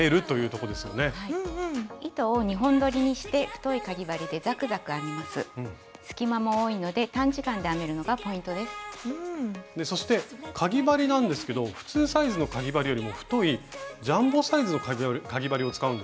そしてかぎ針なんですけど普通サイズのかぎ針よりも太いジャンボサイズのかぎ針を使うんですか？